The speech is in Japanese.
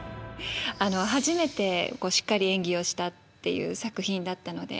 初めてしっかり演技をしたっていう作品だったので。